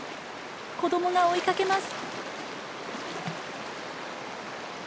子どもが追いかけます。